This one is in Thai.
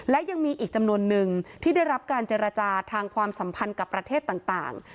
และยังมีอีกจำนวนนึงที่ได้รับการเจรจาทางความสัมพันธ์กับประเทศต่าง